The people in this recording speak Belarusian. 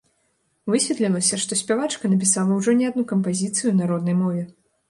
Высветлілася, што спявачка напісала ўжо не адну кампазіцыю на роднай мове.